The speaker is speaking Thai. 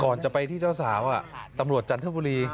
จะไปที่เจ้าสาวตำรวจจันทบุรี